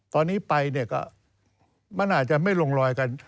ตอนนี้ไปเนี่ยก็มันอาจจะไม่ลงรอยกัน